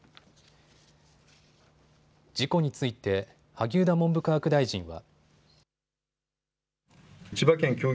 事故について萩生田文部科学大臣は。